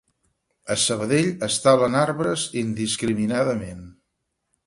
A Sabadell es talen arbres indiscriminadament.